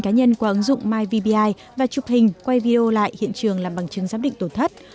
cá nhân qua ứng dụng myvbi và chụp hình quay video lại hiện trường làm bằng chứng giám định tổn thất